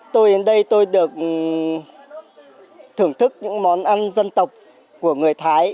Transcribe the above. tôi đến đây tôi được thưởng thức những món ăn dân tộc của người thái